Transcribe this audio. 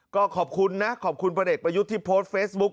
ก็ขอบคุณนะขอบคุณพลเอกประยุทธ์ที่โพสต์เฟซบุ๊ค